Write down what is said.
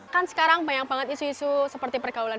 kan sekarang banyak banget isu isu seperti pergaulan